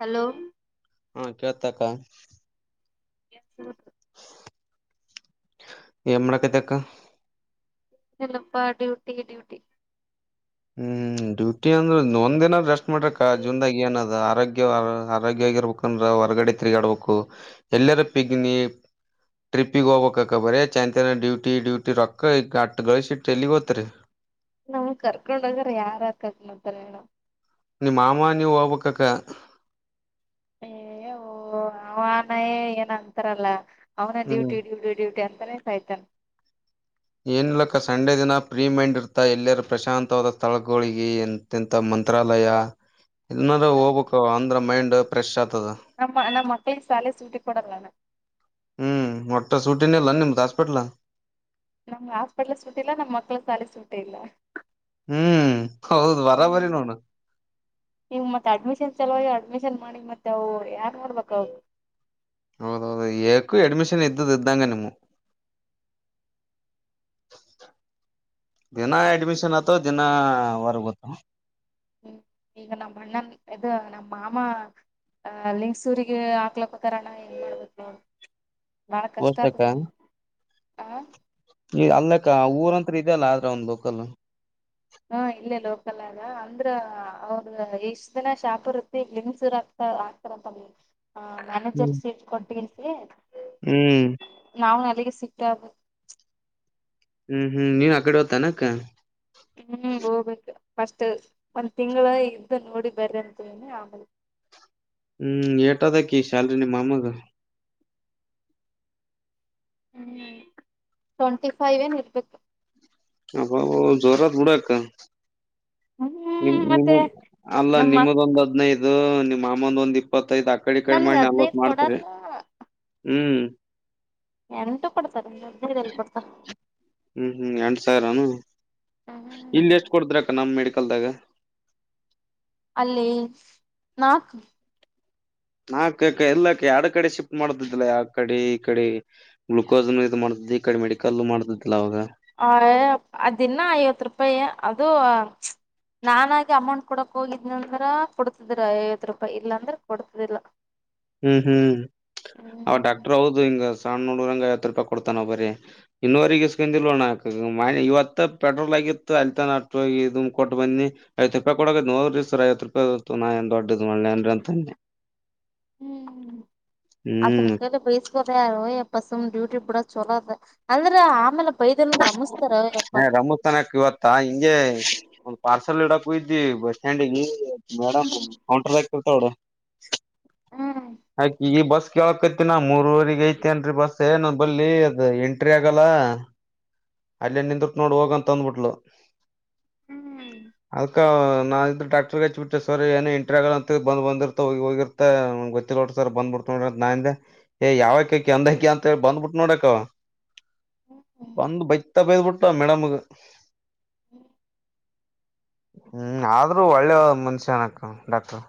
Hello ಹಾ ಕೇಳ್ತಾಕ್ಕ ಎ ಈಮ್ಮಡ ಕತೆಕ್ಕ ಚಲ್ಲಪ್ಪಾ ್ಯೂಟಿ ಡ್ಯೂಟಿ ಹ್ಮ್ ಡ್ಯೂಟಿ ಅಂದ್ರ ಒಂದ್ ದಿನ ರೆಸ್ಟ್ ಮಾಡ್ರಕ್ಕ ಜುನ್ದಾಗ ಏನದ ಆರೋಗ್ಯ ಆರೋಗ್ಯ ಆಗಿರ್ಬೇಕಂದ್ರ ಹೊರ್ಗಡೆ ತಿರುಗಾಡ್ಬೇಕು ಎಲ್ಲಾರ ಪಿಗ್ನಿ ಟ್ರಿಪ್ಪಿಗ್ ಹೋಗ್ಬೇಕಕ್ಕ ಬರೇ ಚಾಯನ್ಂತ ಡ್ಯೂಟಿ ಡ್ಯೂಟಿ ರೊಕ್ಕ ಈ ಅ ಗಳಿಸಿಟ್ಟ ಎಲ್ಲಿಗ್ ಹೋತರಿ ನಮ್ ಕರ್ಕೊಂಡ ಹೋಗ್ರ ಯಾರ ಆಕತ್ ಮದಲ್ಣ ನಿಮ್ಮ ಮಾಮ ನೀವು ಹೋಗ್ಬೇಕಕ್ಕ ಏ ಓ ಅವನಯೇ ಏನ್ ಅಂತಾರಲ್ಲ ಅವ ಹ್ಮ್ ್ಯೂಟಿಡ್ಯಟಿ ಡೂಟಿ ಅ ಸೈತನ್ ಏನ್ಲಕ್ಕ ಸಂಡೇ ದಿನ ಫ್ರೀ ಮೈಂಡ್ ಇರ್ತಾ ಎಲ್ಲರ ಪ್ರಶಾಂತವಾದ ಸ್ಥಳಗಳಿಗೆ ಎಂತೆಂತ ಮಂತ್ರಾಲಯ ಇನ್ರ ಹೋಗ್ಬೇಕ ಅಂದ್ರ ಮೈಂಡ್ ಪ್ರಶಾ ನಮ್ಮ ನಮ್ಮ ಸಾಲೆ ಸಟ್ಟಿ ಕೊಡಲಾನ ಹ್ಮ್ ಮಟ್ಟ ಸೂಟಿನ ಇಲ್ಲ ನಿಮ್ದ ಹಾಸ್ಪಿಟ್ಲ್ ನಮ್ ಹಾಸ್ಪಿಟ್ಲ್ ಸಟ್ಟಲ್ಲ ನಮ್ ಮಕ್ಳ ಶಾಲೆ ಸುಟ್ಟಲ್ಲ ಹ್ಮ್ ಹೌದ್ ಬರಾಬರಿ ನೋಡ ಮತ್ತ ಅಡ್ಮಿನ್ ಚಲಾಗಿ ಅಡ್ಮಿಷನ್ ಮಾಡಿ ಮತ್ತೆ ಅವು ಯಾರ್ು ನೋಡ್ಬೇಕ ಅವದು ಹೌದೌದು ಏಕು ಅಡ್ಮಿಷನ್ ಇದ್ದುದು ಇದ್ದಂಗ ನಿಮ್ಮ ದಿನಾ ಅಡ್ಮಿಷನ್ ಆತ ದಿನವರ್ಗತ್ತ ಹ್ಮ್ ಈಗ ನಮ್ಮ ಅಣ್ಣನ್ ಇದು ನಮ್ಮ ಮಾಮ ಅ ಲಿಂಗಸೂರಿಗೆ ಹಾಕ್ಲಕ್ಕ ಹತಾರಣ್ಣ ಏನ್ ಮಾಡ್ಬೇಕ ನಾಳ ವರ್ಷಕ್ಕ ಕಷ್ಟಾರ್ಂದ ಹ ಈ ಅಲ್ಲಕ್ಕ ಊರತ್ ಇದ ಅಲ್ಲ ಆದ್ರ ಒಂದು್ ಬೋಕಲ್ ಹಾ ಇಲ್ಲೇ ಲೋಕಲ್ಗ ಅಂದ್ರ ಅವ್ರದ ಇಷ್ಟ ದಿನ ಶಾಪ್ ಇರುತ್ತೆ ಲಂಗಸೂರ ಆತ ಆಕ್ತಾರಪ್ಪ ಹ ಮ್ಯಾನೇಜರ್ ಹ್ಮ್ ಸೀಟ್ ಕೊಟ್ಟಲ್ಸ ಹ್ಮ್ ನಾವ ಸಿಕ್ಕ ಹ್ಮ್ ಹ್ಮ್ ನೀನ್ ಆ ಕಡೆ ಹತ ಅಾನಕ್ಕ ಹ್ಮ್ ಹೋಗ್ಬೇಕು ಫಸ್ಟ್ ಒಂದ್ ತಿಂಗಂಗಳ ಇದ್ದ ನೋಡಿ ಬರ ಅಂತನೆ ಆಮೇಲಿ ಹ್ಮ್ ಟದಕ ಶ್ಯಾಲರಿ ನಿಮ್ಮ ಮಾಮಾಗ ಹ್ಮ್ ಟ್ವೆಂಟಿ ಫೈವ್ ಏನ್ ಇರ್ಬೇಕು ಅ ಜೋರತ್ ಉಡಾಕ್ಕ ನಿಮ ಹ್ಮ್ ಮತ್ತೆ ನಿಮದ ಅಲ್ಲ ನಮ್ಮ ಅಕ್ ನಿಮ್ಮದೊಂದ್ ಹದ್ನೈದು ಅದು ನಿಮ್ಮ ಮಾಮಂದ ಒಂದಿಪ್ ಇಪ್ಪತ್ತಐತ್ ಆ ಕಡೆ ಈ ಕಡೆ ನನ್ಗೆ ಮಾಡಿ ನಲ್ವತ್ ಹದ್ನೈದು ಮಾಡ್ತರಿ ಕೊಡಲ್ಲ ಹ್ಮ್ ಎಂಟು ಕೊಡ್ತಾರೆ ಎಲ್ಲಿ ಕೊಡ್ತ ಹ್ಮ್ ಹ್ಮ್ ಎಂ ಸಾಗರನು ಇಲ್ಲ ಎಷ್ಟ್ ಕೊಡದ್ರಕ್ಕ ನಮ್ ಮಡ ಕಲ್ದಾಗ ಅಲ್ಲಿ ನಾಕ ನಾಕ ಎಲ್ಲಾ ಎರಡ ಕಡೆ ಶಿಫ್ಟ್ ಮಾಡತಿದ್ದಿಲ್ಲ ಯ ಕಡೆ ಈ ಕಡೆ ಗ್ಲುೂಕೋಸ್ನು ಇದು ಮಾಡತತಿ ಈಕಡೆ ಮೆಡಿಕಲ್ ಮಾಡತತಿ ಅವಾಗ ಹ ಅದನ್ನ ಐವತ್ತು ರೂಪಾಯಿ ಅದು ನಾನಾಗಿ ಅಮೌಂಟ್ ಕೊಡಕ್ ಹೋಗಿದ್ನಂದ್ರ ಕೊಡ್ತಿದ್ರ ಐವತ್ತು ರೂಪಾಯಿ ಇಲ್ಲಾಂದ್ರೆ ಕೊಡ್ತದಿಲ್ಲ. ಹ್ಮ್ ಹ್ಮ್ ಅವ ಡಾಕ್ಟರ್ ಹೌದು ಹಿಂಗ ಸಣ್ಣ ನೋಡ್ರಂಗ ಐವತ್ತು ರೂಪಾಯಿ ಕೊಡ್ತಾನ ಬರೀ ಇನ್ನೋವರಿಗ ಇಸ್ಕೊಂಡಿಲ್ವಣ ಇವತ್ತ ಪೆಟ್ರೋಲ್ ಆಗಿತ್ತು ಅಲ್ಲಿತಾನ ಆಟ ಇದ್ ಕೊಟ್ಟ ಬಂದಿ ಐತ್ತು ರೂಪಾಯಿ ಕೊಡ ನೋರಿ ಸರ್ ಐವತ್ತು ರೂಪಾಯಿ ನಾ ದೊಡ್ಡದ್ ಮೆ ಹ್ಮ್ ಅದನ ಕಡೆ ಬೇಸ ಯಾರ [unintelligible] ಬಸುಮ್ ಡ್ಯೂಟಿ ಬಿೂಡ ಚಲೋದ ಅಂದ್ರೆ ಆಮೇಲ ಏ ರಮೋಸ್ಥಾನಕ್ ಇವತ್ತಾ ಹಿಂಗೆ ಒಂದು ಪಾರ್ಸಲ್ ಬಸ್ಸಲ್ಲಿ ಇಡಕ್ ಹೋಗಿದ್ವಿ ಬಸ್ ಸ್ಟಾಂಡ್ ಮೇಡಮ್ ಹ್ಮ್ ಕೌಂಟರ್ ದಾಗ ಅವಡ ಹ್ಮ್ ಕಿಗಿ ಬಸ್ ಕೇಳಕೈತಿ ನಾ ಮೂರವರೆಗ ಐತಿನ್ರರಿ ಬಸ್ಸ ನಂಬಲ್ಲಿ ಅದ ಎಂಟ್ರಿ ಆಗಲ್ಲ. ಅಲ್ಲೇ ನಿಂದ ನೋಡ್ ಹೋಗಂತ [inaudible] ಬಂದ ಬೈತ ಬೈದ ಬಿಟ್ಟ ಮೇಡಮಗ ಹ್ಮ. ಆದ್ರೂ ಒಳ್ಳೆ ಮನುಷ್ಯನಕ್ಕ ಡಾಕ್ಟರ್.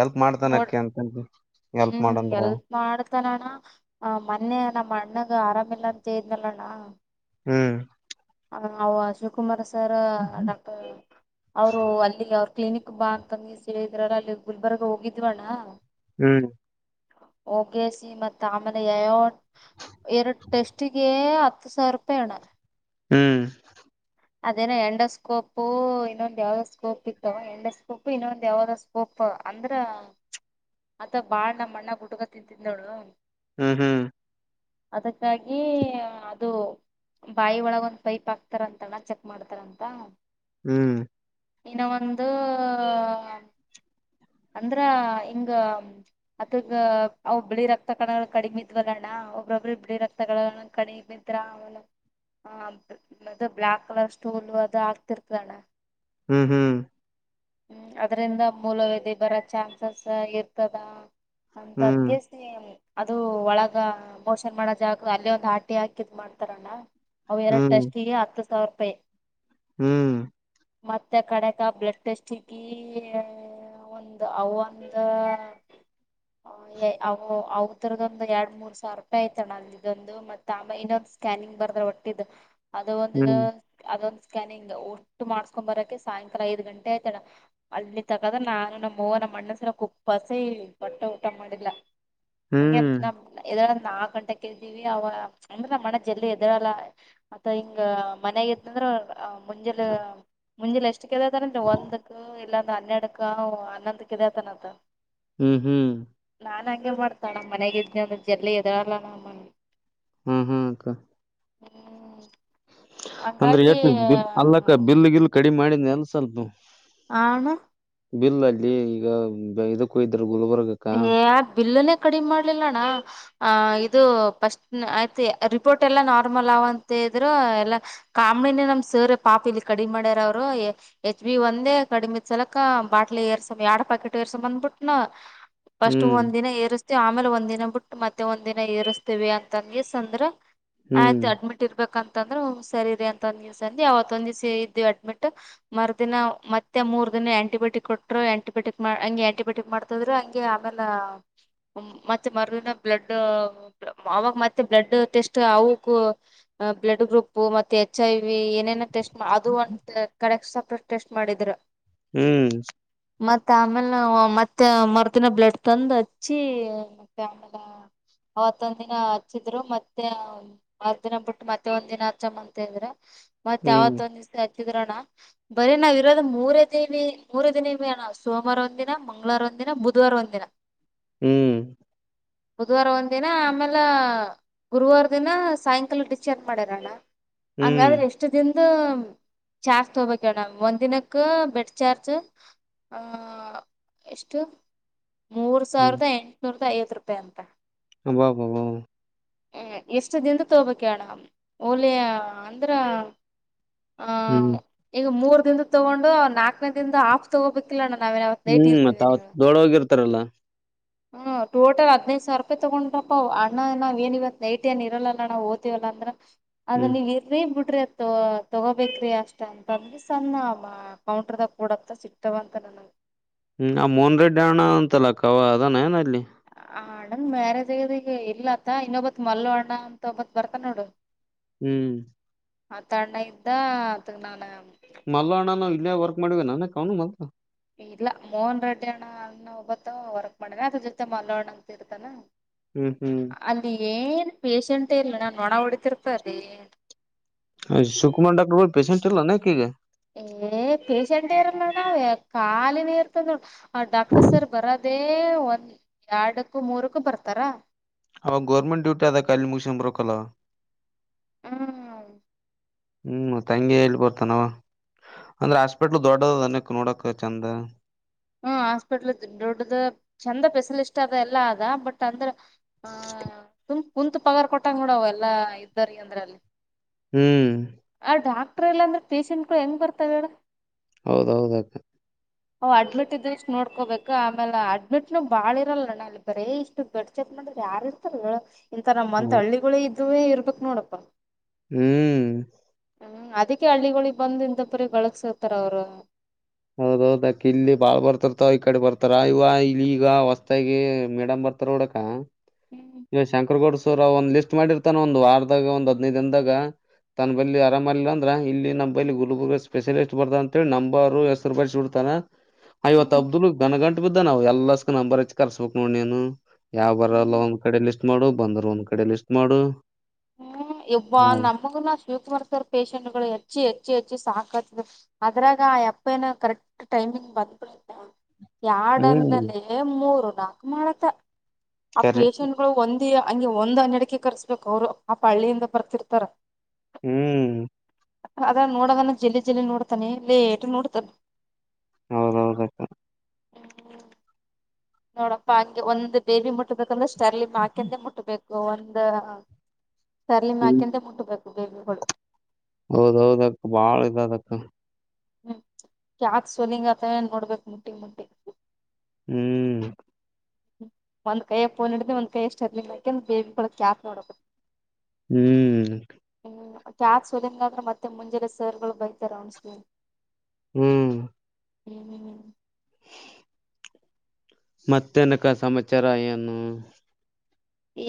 ಹೆಲ್ಪ್ ನೋಡ್ ಮಾಡ್ತಾನಕಿ ಅಂತಂತ ಹೆಲ್ಪ್ ಹ್ಮ್ ಮಾಡಂದ್ರ ಎಲ್ ಮಾಡ್ತನಾನ ಆ ಮೊನ್ನೆ ನಮ್ಮ ಅಣ್ಣಗ ಆರಾಮಿಲ್ಲ. ಸೇನಲ್ಲಣ್ಣ ಹ್ಮ್. ಹ ಆವಾ ಶಿವಕುಮಾರ್. ಸರ್ ಡಾಕ್ಟರ್ ಅವರು ಅಲ್ಲಿಗೆ ಅವ ಕ್ಲಿನಿಕ್ ಬಾಕಂಗಿ ಸಳಿದ್ರಾರ ಅಲ್ಲಿ ಗುಲ್ಬರ್ಗ್ ಹೋಗಿದ್ವಣ್ಣ. ಹ್ಮ್. ಓ ಕೆೆ ಸಿ ಮತ್ ಅಮೆಗೆ ಯ ಎರಡ ಟೆಸ್ಟಿಗೆ ಹತ್ತು ಸಾವಿರ ರೂಪಾಯಿ ಅಣ ಹ್ಮ್. ಅದೇನ ಎಂಡಸ್ಕೋಪ ಇನ್ನೊಂದ್ ಯಾವ್ದ ಸ್ಕೋಪ್ ಇತ್ತು ಎಂಡಸ್ಕೋಪ್ ಇನ್ನೊಂದ್ ಯಾವ್ದ ಸ್ಕೋಪ್ ಅಂದ್ರ ಅಥ ಬಾಳ್ ನಮ್ಮ್ ಅಣ್ಣ ಹುಟಕ ತಿನ್ಂತಿಂದವಳು. ಹ್ಮ್ ಹ್ಮ್. ಅದಕ್ಕಾಗಿ ಅದು ಬಾಯಿ ಒಳಗ ಒಂದ್ ಪೈಪ್ ಆಗ್ತಾರಂತ. ಎಲ್ಲಾ ಚೆಕ್ ಮಾಡ್ತಾರ ಅಂತ. ಹ್ಮ್. ಇನ್ನು ಒಂದು ಅಂದ್ರ ಹಿಂಗ ಅದಗ ಅವ ಬಿಳಿ ರಕ್ತ ಕಣಗಳು ಕಡಿಮ ಇದ್ವಲ್ಲಣ್ಣ ಒಬ್ರೊಬ್ಬ್ರ ಬಿಳಿ ರಕ್ತ ಕಡಿಮಿದ್ರ ಅವ ಬ್ಲಯಾಕ್ ಕಲರ್ ಸ್ಟೋಲ್ ಅದು ಆಗ್ತಿರ್ತಣ. ಹ್ಮ್ ಹ್ಮ್. ಹ್ಮ್ ಅದ್ರಿಂದ ಮೂಲವೇಧಿ ಬರೋ ಚಾನ್ಸಸ್ ಇರ್ತದ. ಹ್ಮ್ ಅಂತಗ್ಗಸ ಅದು ಒಳಗ ಬೋಷನ್ ಮಾಡದಕ ಅಲ್ಲೇ ಒಂದ ಹಟಿ ಹಾಕಿದ್ ಮಾಡ್ತಾರಣ್ಣ. ಅವವು ಹ್ಮ್ ಎರಡು ಹ್ಮ್ ಟೆಸ್ಿಗೆ ಹತ್ತು ಸಾವಿರ ಪ್ಪೆ ಹ್ಮ್ ಮತ್ತೆ ಕಣಕ ಬ್ಲಡ್ ಟೆಸ್ಟ್ ಚಗಿ ಒಂದು ಅವೊಂದ ಅ ಅವದರದೊಂದು ಎರಡ್ ಮೂರ್ ಸಾವಿರ ರೂಪಾಯಿ ಆಯ್ತಣ ಇದೊಂದು ಮತ್ತ ಆಮೇ ಇನ್ನೊಂದು ಸ್ಕ್ಯಾನಿಂಗ್ ಬರ್ದ್ರೆ ಒಟ್ಟಿದು ಅದು ಒಂದು ಹ್ಮ್, ಅದಂದು ಸ್ಕ್ಯಾನಿಂಗ್ ಒಟು ಮಾಡ್ಸ್ಕೊ ಬರಕ್ಕೆ ಸಾಯಂಕಾಲ ಐದು ಗಂಟೆ ಆಯ್ತಡ ಅಲ್ಲಿ ತಗದ್ರ ನಾನು ನಮ್ಮ್ವನಮ್ಮ ಮಣ್ಣಸರ ಕುಪ್ಪಸೆ ಬಟ್ಟ ಊಟ ಮಾಡಿಲ್ಲ ಹಂಗೆ ಹ್ಮ್, ನಮ ನಾ ಗಂಟೆ ಕ್ದೀವಿ ಅವ ಅಂದ್ರೆ ನಮ್ಮ ಮನ ಜಲ್ಲಿ ಎದರಲ್ಲ ಅಥ ಹಿಂಗ ಮನೆಾಗದಂದ್ರ ಆ ಮುಂಜಲು ಮುಂೆ ಎಷ್ಟು ಕದತಾರ ಒಂದುಕ್ಕ ಇಲ್ಲಾಂದ ಹನ್ನೆಡುಕ್ಕ ಹನ್ನೊಂದುಕ್ಕ ಇದೇ ತಾನದ ಹ್ಮ್ ಹ್ಮ್ ನಾನ್ ಹಂಗೆ ಮಾಡ್ತಾಳ ಮನೆಗ ಇದನ ಅಂದ ಜಲ್ಲಿ ಎದರಲ್ಲ ನ ಹ್ಮ್ ಹ್ಮ್ ಅಂದ್ರೆ ಹಂಗಾಗಿ ಎಷ್ಟ ಅಲ್ಲಕ್ಕ ಬಿಲ್ ಗಿಲ್ ಕಡಿಮ ಮಾಡಿ ನೆಲ್ಸಲ್್ದು ಆಣ ಬಿಲ್ ಅಲ್ಲಿ ಈಗ ಇದಕ್ಕೂ ಇದ ಗಲ್ಬುರ್ಗಕ್ಕಾ ಕಡಿಮ್ ಮಾಡ್ಲಿಲ್ಲಣ್ಣ ಅ್ ಇದು ಪಫಸ್ಟ್ ಆಯ್ತ ರಿಪೋರ್ಟ್ ಎಲ್ಲಾ ನಾರ್ಮಲ್ ಅವ ಅಂತ ಇದ್ರರು ಎಲ್ಲಾ ಕಾಮಣಿನ ನಮ್ ಸರೆ ಪಾಪ ಇಲ್ಲಿ ಕಡಿಮ್ ಮಾಡ್ಯಾರ ಅವ್ರು ಹೆಚ್ ಬಿ ಒಂದೇ ಕಡಿಮ ಇದ್ ಸಲಕ ಬಾಟ್ಲಿ ಏರ್ಸ ಎರಡ್ ಪಾಕೆಟ್ ಏರ್ಸ ಬಂದ್ಬಿಟ್ಟ ನ ಫಸ್ಟ್ ಹ್ಮ್ ಒಂದ್ಿನ ಏ ಆಮೇಲೆ ಒಂದ್ಿನ ಬಿಟ್ಟ ಮತ್ತೆ ಒಂದ್ ದಿನ ಏರಿಸಸ್ತೀವಿ ಅಂತಂಗಂಗ ಅಂದ್ರ ಹ್ಮ್ ಆಯ್ತು ಅಡ್ಮಿಟ್ ಇರ್ಬೇಕಂತ ಂದ್ರ ಸರಿ ಅಂತಂದಸ ಅ ಅವತ್ತ್ತೊಂದ ದಿವಸ ಇದ್ದು ಅಡ್ಮಿಟ್ ಮರ್ದಿನ ಮತ್ತೆ ಮೂರ್ ದಿನ ಆಂಟಿಬಯೋಟಿಕ್ ಕೊಟ್ಟರು ಆಂಟಿಬಯಟಿಕ್ ಮಾಡ ಹಗೆ ಆಂಟಿಬಯಟಿಕ್ ಮಾಡ್ತದ್ರು ಹ ಆಮೇಲೆ ಮತ್ತೆ ಮಿನ ಬ್ಲಡ್ ಅವಾಗ ಮತ್ತೆ ಬ್ಲಡ್ ಟೆಸ್ಟ್ ಅವಕ್ಕೂ ಬ್ಲಡ್ ಗ್ರೂಪ್ ಮತ್ತೆ ಎಚ್ ಐ ವಿ ಏನೇನ ಟೆಸ್ಟ್ ಅದು ಒಂದು ಕಡೆ ಸಪ್ರಟ್ ಟೆಸ್ಟ್ ಮಾಡಿದ್ರ ಹ್ಮ್ ಮತ್ತ ಆಮೇಲೆ ನಾವು ಮತ್ತೆ ಹ ದಿನ ಬ್ಲಡ್ ತಂದ್ ಹಚ್ಚಿ ಮ ಅವತ್ತೊಂದ್ ದಿನ ಹಚ್ಚಿದ್ರು ಮತ್ತೆ ಮರ್ ದಿನ ಬಿಟ್ಟ ಮತ್ತೆ ಒಂದ್ ದಿನ ಹಚ್ಚಮ್ಮ ಅಂತ ಇದ್ರ ಮತ್ತತ್ ಹ್ಮ್ ಯಾವತ್ತ ಒ್ ದ್ಸ ಣ ಬರೀ ನಾವ್ ಇರೋದ ಮೂರೇ ದಿನ ಮೂರ ದಿನ ಅಣ್ಣ ಸೋಮವಾರ ಒಂದ ದಿನ ಮಂ್ವಾರ ಒಂದ ದಿನ ಬ ಅವರ್ ಒಂದಿನ ಹ್ಮ್ ಬುಧವಾರ ಒಂದ್ ದಿನ ಆಮೇಲೆ ಗುರುವಾರ ದಿನ ಸಾಯಂಕಾಲ ಡಿಸಚಾರ್ಜ್ ಮಾಡರ ಅಣ್ಣ ಹ್ಮ್ ಹಂಗಾದ್ರೆ ಎಷ್ಟು ದಿನ ಚಾರ್ಜ್ ತೊಗಬೇಕಡ್ ಒಂದಿನಕ್ಕೆ ಬೆಡ್ ಚಾರ್ಜ್ ಆ ಎಷ್ಟು ಮೂರ್ ಸಾವಿರದ ಎಂಟನೂರು ಐದ ರೂಪಾಯಿ ಅಂತ ಹಬ ಹ ಎಷ್ಟ ದಿಂದ ತಗಬೇಕ ಅಡ ಓಲ ಅಂದ್ರ ಹ ಹ್ಮ್ ಈಗ ಮೂರ್ ಿಂದ ತಗೊಂಡು ಅವ್ ನಾಲ್ಕನೇ ದಿಂದ ಆಫ್ ತಗೋಬೇಕಿಲ್ಲ ನ ಹ್ಮ್ ಮತ್ತ್ ದೊಳ ಹೋಗಿರ್ತ ಮಾತ್ರಲ್ಲ ಹ್ಮ ಟೋಟಲ್ ಹದನೈದು ಸಾವಿರ ರೂಪಾಯಿ ತಗೊಂಡ್ರಪ್ಪ ಅಣ್ಣ ನಾವ್ ನಿವತ್ ನೈಟ್ ಏ ಇರಲ್ಲಾ ನಾವವು ಓ್ತಿೀವಲ್ಲ ಅಂದ್ರ ಹ್ಮ್ ಅದಲ್ಲಿ ಎರೇ ಬಿಟ್ಟ ್ರಿ ತೊಗೋಬೇಕ್ರಿ ಅಷ್ಟ ಅಂತಂದಿ ಸಣ್ಣ ಕೌಂಟ್ರದಾಗ ಕೂಡತ ಸಿಕ್ತವ ಅಂತ ನನಗೆ ಹ್ಮ್ ಆ ಮೋಹನ್ ರೆಡ್ಡಿ ಅಣ್ಣ ಅಂತಲ್ಲಕ್ಕವಾ ಅದಾನ ಏನ ಅಲ್ಲಿ ಆ ಅಣ್ಣನ್ ಮ್ಯಾರೇಜ್ ಆಗದ ಈಗ ಇಲ್ಲತ್ತ ಇನ್ನೊಬ್ತ್ ಮಲ್ಲ ಅಣ್ಣ ಅಂತ ಒಬ್ಬತ್ ಬರ್ತ ನೋಡು ಹ್ಮ್ ಆ ತ ಅಣ್ಣ ಇದ್ದ ಅದಗ್ ನಾನ ಮಲ್ ಅಣ್ಣನ ಇಲ್ಲೇ ವರ್ಕ್ ಮಾಡಿವ ನಾನ ಕ ಅವನು ಮಲ್ ಇಲ್ಲ ಮೋಹನ್ ರೆಡ್ಡಿ ಅಣ್ಣ ಅನ್ನ ಒಬ್ಬತ್ತ ವರ್ಕ್ ಮಾಡೇನ ಅದ್ರ ಜೊತೆ ಮಲೋಣ್ಣ ಅಂತ ಇರ್ತಾನ ಹ್ಮ್ ಹ್ಮ್ ಅಲ್ಲಿ ಏ ಪೇೇಶಂಟೇ ಇಲ್ಲ ನಾು ಒಣ ಹೊಡತಿರ್ತ ಅದೇ ಸುಕುಮಾರ್ ಡಾಕ್ಟರ್ ಪೇಸೆಂಟ್ ಎಲ್ಲ ನೇಕಿಗೆ ಏ ಪಸಂಡೇರ ನಡ ಕಾಾಲ ನೀರ್ತ ಹ ಡಾಕ್ಟರ್ ಸರ್ ಬರದು ಅದೇ ಒಂದ್ ಎರಡಕ್ಕೂ ಮೂರಕ್ಕೂ ಬರ್ತಾರ ಅವಾಗ ಗೌರ್ಮೆಂಟ್ ಡ್ಯೂಟಿ ಆದ ಕಖಾಲಿ ಮುಗಸ ಬರಕಲ್ಲ ಹ್ಮ್ ಹ್ಮ್ ಹ್ಮ್ ತಂಗಿ ಹೇಳಳ್ ಬರ್ತನಾವ ಅಂದ್ರ ಹಾಸ್ಪಿಟ್ಲ್ ದೊಡ್ಡದ ಅನಕ್ ನೋಡಕ್ ಚಂದ ಹ್ಮ ಹಾಸ್ಪಿಟ್ಲ್ ದೊಡ್ಡದು ಚಂದ ಸ್ಪೆಷಲಿಸ್ಟ್ ಅದ ಎಲ್ಲಾ ಅದ ಬಟ್ ಅಂದ್ರ ಹಾ ಉಂಂತು ಪಗಾರ್ ಕೊಟ್ಟಂಗ ನೋಡ ಅವ ಎಲ್ಲ ಇದ್ದರಿ ಅಂದ್ರ ಅಲ್ಲಿ ಹ್ಮ್ ಆ ಡಾಕ್ಟರ್ ಎಲ್ಲ ಅಂದ್ರೆ ಪೇಶೆಂಟ್ಗಳು ಹೆಂಗ್ ಬರ್ತಾವೇಡ ಹೌದೌದ ಅವ್ ಅಡ್ಮಿಟ್ ಇದ್ರ ನೋಡ್ಕೋಬೇಕಕ್ ಆಮೇಲೆ ಅಡ್ಮಿಟ್ನು ಬಾಳ ಇರಲ್ಲ ಅಣ್ಣ ಅಲ್ಲಿ ಬರೀ ಇಷ್ಟು ಗಡ್ ಚೆಕ್ ಮಾಡ್ರ ಯಾರಾರ್ ಇರ್ತಾರ ಇಂತ ನಮ್ಮ್ಂತ ಹಳ್ಳಿಗಳ ಅುವ ಇರ್ಬೇಕಕ್ ನೋಡಪ್ಪಾ ಹ್ಮ್ ಹ್ಮ್ ಅದಕ್ಕೆ ಹಳ್ಳಿಗಳಿಗೆ ಬಂದ ಇಂ ಪರಿ ಗಳಕ್ಸರ್ತಾರ ಅವ್ರು ಹೌದೌದ ಅಕಿ ಇಲ್ಲಿ ಬಾಳ ಬರ್ತ ಈ ಕಡೆ ಬರ್ತಾರ ಇವ ಇಲ್ಲಿ ಈಗ ಹೊಸ್ತಾಗಿ ಮೇಡಮ್ ಬರ್ತಾರ ನೋಡಕ ಇ ಶಾಂಕರಗಡ ಸ ಒಂದ್ ಲಿಸ್ಟ್ ಮಾಡಿರ್ತಾನ ಒಂದಂದು ಆಾರದಾಗ ಒಂದ ಹದ್ೈ ದನ್ದಾಗ ತನ್ನ ಬಳಿ ಆರಾಮ್ ಇಿಲ್ಲ ಅಂದ್ರ ಇಲ್ಲಿ ನಮ್ಮ ಬಿ ಗುಲ್ಬುರ್ಗ ಸ್ಪೆಷಲಿಸ್ಟ್ ಬರ್ದ ಅಂತೇಳಿ ನಂಬರು ಎಷ್ಟ ರೂಪಾಯಿಡ್ತಾನಾ ಐವತ್ತು ಹ್ಮ್ ಅಬ್ದುಲ್ ನಗಂ ಬುದ ನಾವು ಎಲ್ಲಸ್ು ನಂಬರ್ ಹೆಚ್ಚಿ ಕರ್ಸ್ಬೇಕಕ್ ನೋಡ್ ನೀನು ಯಾವ್ ಬರಲ್ಲ ಒಂದ್ ಕಡೆ ಲಿಸ್ಟ ಮಾಡು ಬಂದರು ಒಂದ್ ಕಡೆ ಲಿಸ್ಟ್ ಮಾಡು ಹ್ಮ್ ಇಬ ಹಾ ನಮಗನ ಶುಕರ್ ಸರ್ ಪೇಶಷೆಂಟ್ ಗಳು ಹೆಚ್ಚಿ ಹೆಚ್ಚು ಹೆಚ್ಚು ಸಾಕತ್ ಅದ್ರಾಗ ಆ ಅಪ್ಪನ ಕರೆಕ್ಟ್ ಟೈಮಿಂಗ್ ಬಂದ್ಬಿಡತ್ತೆ ಎರಡ್ ಹ್ಮ್ ಅಂದಲೆ ಮೂರು ಲಾಕ್ ಮಾಡತ್ತ ಆ ಕರೆ ಪೇಶಷೆಂಟ್ ಗಳು ಒಂದ ಹಂಗೆ ಒಂದ ಹನ್ನಡಿಕೆ ಕರ್ಸ್ಬೇಕು ಅವ್ರು ಆ ಪಳ್ಳಿಯಿಂದ ಬರ್ತಿರ್ತಾರ ಹ್ಮ್ ಅದ ನೋಡ ಜಲ್ಲಿ ಜಲ್ಲಿ ನೋಡ್ತಾನೆ ಇ ಲೇಟ್ ನೋಡ್ತಾನ ಹೌದೌದ್ತ ನೋಡಪ್ಪ ಹಾಗೆ ಒಂದು್ ಬೇಬಿ ಮುಟ್ಟಬೇಕಂದ್ರ ಸರ್ಲಿ್ಕೆಂದೆ ಮುಟ್ಟಬೇಕು ಒಂದ ಸರ್ಲಿಮಾಕಂತ ಮುಂಟು ಬಬೇಕು ಹೌದೌದ ಅಕ್ಕ ಬಾಳ್ ಇದ ಅದಕ್ಕ ಹ್ಮ್ ಯಾಕ್ ಸಲಿಂಗತ ನೋಡ್ಬೇಕಕ್ ಮುಟ್ಟಿ ಮುಟ್ಟಿ ಹ್ಮ್ ್ಮ ಒಂದ್ ಕಯ ಫೋನ್ ಹಡಿದ್ರೆಂದ್ೈಯ ಎಷ್ಟು ಅರ್ಲಿಿಲ್ಲ ಯಾಕಂದ ಬೇಬಿ ಬ್ಯಾತ್ ನೋಡಕ ಹ್ಮ್ ಹ್ಮ ್ಯಾಕ್ ಸೋದನ್ಗಾದ್ರೆ ಮತ್ತೆ ಮುಂಜೆಾನ ಸರ್ಗಳು ಬೈತಾರೆ ಅಣಸ್ ಹ್ಮ್ ಹನು ಮತ್ತನಕ್ಕ ಸಮಾಚಾರ ಏನು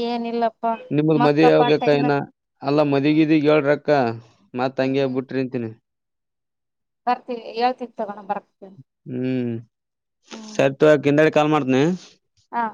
ಏನಿಲ್ಲಪ್ಪ ನಿಮ್ದ ಮದ್ ಆೋಗಕ್ಕ ಏನ ಅಲ್ಲಾ ಮದಿಗಿದಿ ಹೇಳ್ರಕ್ಕ ಕ್ಕ ಮತ್ ತಂಗಿ ಹೋಗಬ ಬಿಟ್ರಿಂತೀನಿ ಬರ್ತಿವಿ ಹೇಳ್ತಿಿದವಿ ತಗೊಂಡೋ ಬರ್ ಹ್ಮ್ ಹ್ಮ್ ಸರ್ ತು ಕಂದ ಕಾಲ್ ಮಾಡ್ತನ ಹಾ